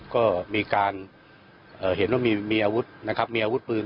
ก็เห็นว่ามีการมีอาวุธนะครับมีอาวุธพื้น